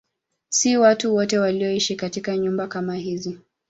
Si watu wote walioishi katika nyumba kama hizi.